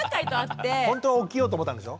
ほんとは起きようと思ったんでしょ？